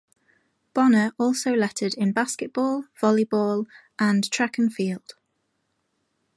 Bonner also lettered in basketball, volleyball, and track and field.